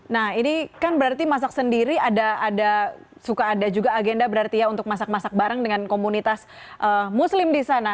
nah ini kan berarti masak sendiri ada suka ada juga agenda berarti ya untuk masak masak bareng dengan komunitas muslim di sana